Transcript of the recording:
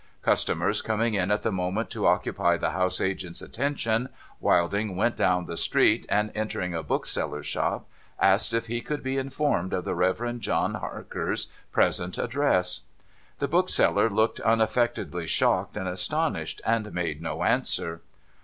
Customers coming in at the moment to occupy the house agent's attention. Wilding went dowTi the street, and entering a bookseller's shop, asked if he could be informed of the Reverend John Marker's present address. The bookseller looked unaffectedly shocked and astonished, and made no answer.